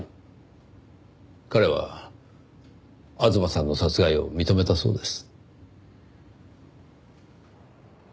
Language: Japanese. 彼は吾妻さんの殺害を認めたそうです。